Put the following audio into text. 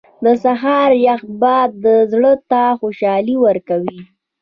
• د سهار یخ باد زړه ته خوشحالي ورکوي.